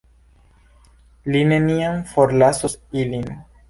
Li neniam forlasos ilin.